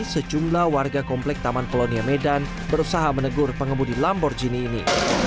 sejumlah warga komplek taman kolonia medan berusaha menegur pengemudi lamborghini ini